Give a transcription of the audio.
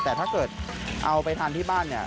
แต่ถ้าเกิดเอาไปทานที่บ้านเนี่ย